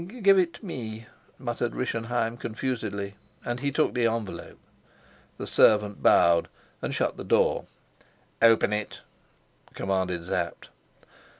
"Give it me," muttered Rischenheim confusedly; and he took the envelope. The servant bowed and shut the door. "Open it," commanded Sapt.